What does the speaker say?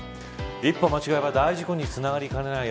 一歩間違えば大事故につながりかねない